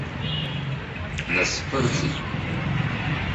Днасԥырҵит.